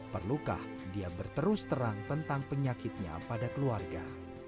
perlukah dia berterus terang tentang penyakitnya pada keluarga